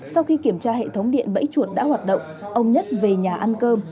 sau khi kiểm tra hệ thống điện bẫy chuột đã hoạt động ông nhất về nhà ăn cơm